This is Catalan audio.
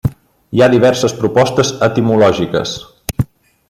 Hi ha diverses propostes etimològiques.